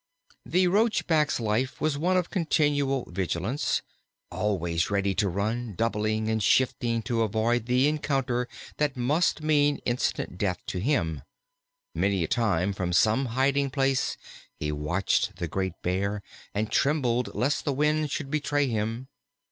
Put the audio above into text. IV The Roachback's life was one of continual vigilance, always ready to run, doubling and shifting to avoid the encounter that must mean instant death to him. Many a time from some hiding place he watched the great Bear, and trembled lest the wind should betray him.